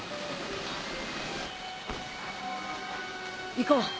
行こう。